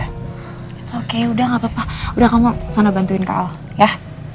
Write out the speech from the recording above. it's okay udah gak apa apa udah kamu sana bantuin kak al ya